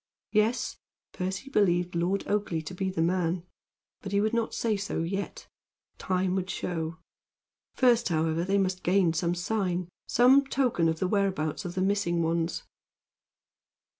Yes. Percy believed Lord Oakleigh to be the man; but he would not say so yet. Time should show. First, however, they must gain some sign some token of the whereabouts of the missing ones.